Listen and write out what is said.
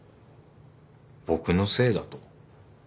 僕のせいだと？